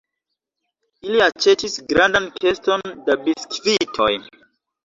Ili aĉetis grandan keston da biskvitoj.